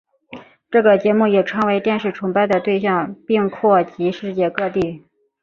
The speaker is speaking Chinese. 这个节目也成为电视崇拜的对象并扩及世界各地。